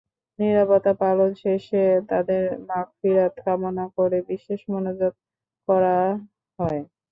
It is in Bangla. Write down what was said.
নীরবতা পালন শেষে তাঁদের মাগফিরাত কামনা করে বিশেষ মোনাজাত করা করা হয়।